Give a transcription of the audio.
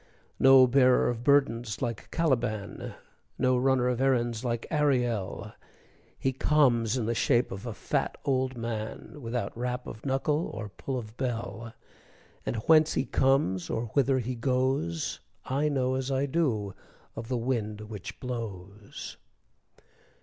No bearer of burdens like Caliban, No runner of errands like Ariel, He comes in the shape of a fat old man, Without rap of knuckle or pull of bell; And whence he comes, or whither he goes, I know as I do of the wind which blows.